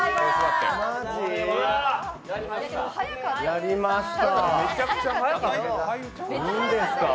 やりました。